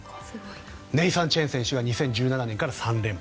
ネイサン・チェン選手が２０１４年から３連覇。